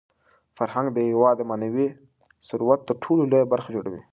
فرهنګ د یو هېواد د معنوي ثروت تر ټولو لویه برخه جوړوي.